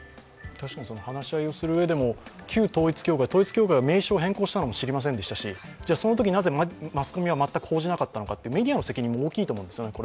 確かに話し合いをするうえでも、旧統一教会、統一教会が名称を変更したのも知りませんでしたし、そのときなぜマスコミは全く報じなかったのか、メディアの責任も大きいと思うんですよね。